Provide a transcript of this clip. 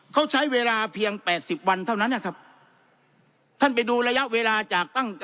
เขาใช้เวลาเพียงแปดสิบวันเท่านั้นนะครับท่านไปดูระยะเวลาจากตั้ง